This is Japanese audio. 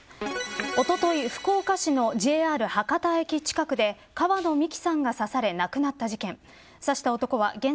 おととい福岡市のＪＲ博多駅近くで川野美樹さんが刺され亡くなった事件。